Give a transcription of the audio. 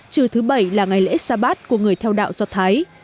trừ thứ bảy là ngày lễ sabat của người theo đạo do thái